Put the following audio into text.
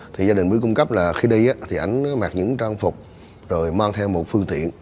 thì gia đình mới cung cấp là khi đi thì anh mặc những trang phục rồi mang theo một phương tiện